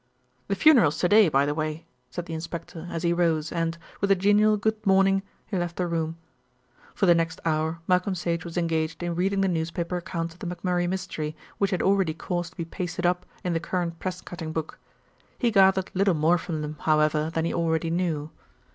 "The funeral's to day, by the way," said the inspector as he rose and, with a genial "good morning," left the room. For the next hour Malcolm Sage was engaged in reading the newspaper accounts of the McMurray Mystery, which he had already caused to be pasted up in the current press cutting book; he gathered little more from them, however, than he already knew.